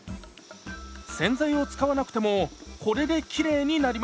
洗剤を使わなくてもこれできれいになります。